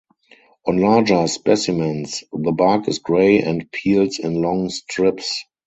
On larger specimens the bark is grey and peels in long strips.